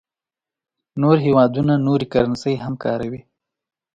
نور هېوادونه نورې کرنسۍ هم کاروي.